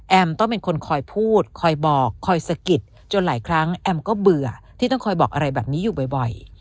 ต้องเป็นคนคอยพูดคอยบอกคอยสะกิดจนหลายครั้งแอมก็เบื่อที่ต้องคอยบอกอะไรแบบนี้อยู่บ่อย